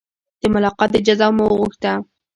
د ملاقات اجازه مو وغوښته.